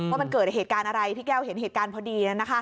ว่ามันเกิดเหตุการณ์อะไรพี่แก้วเห็นเหตุการณ์พอดี